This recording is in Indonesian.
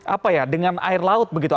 apa ya dengan air laut begitu